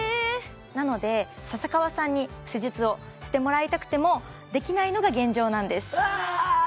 なので笹川さんに施術をしてもらいたくてもできないのが現状なんですうわ